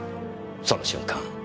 その瞬間